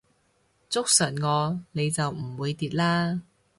捉實我你就唔會跌啦